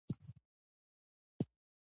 زه خپل ځان او کالي پاک ساتم.